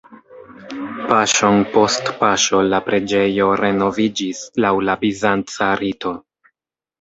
Paŝon post paŝo la preĝejo renoviĝis laŭ la bizanca rito.